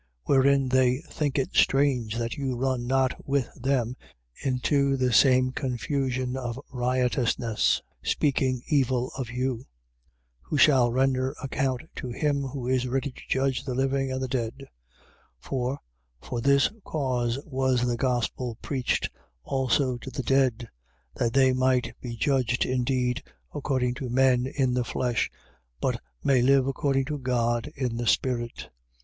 4:4. Wherein they think it strange that you run not with them into the same confusion of riotousness: speaking evil of you. 4:5. Who shall render account to him who is ready to judge the living and the dead. 4:6. For, for this cause was the gospel preached also to the dead: That they might be judged indeed according to men, in the flesh: but may live according to God, in the Spirit.